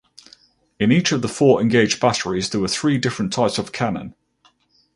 In each of the four engaged batteries there were three different types of cannon.